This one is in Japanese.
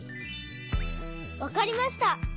わかりました！